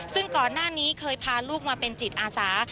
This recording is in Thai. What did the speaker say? ซึ่งก่อนหน้านี้เคยพาลูกมาเป็นจิตอาสา